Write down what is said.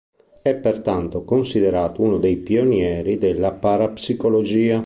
È pertanto considerato uno dei pionieri della parapsicologia.